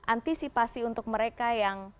antisipasi untuk mereka yang